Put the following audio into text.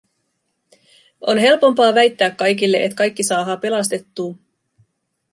On helpompaa väittää kaikille, et kaikki saahaa pelastettuu.